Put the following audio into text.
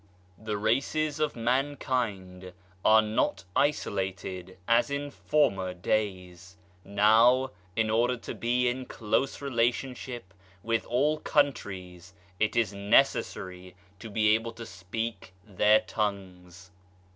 The races of mankind are not isolated as in former days. Now, in order to be in close relationship with all countries it is necessary to be able to speak their tongues.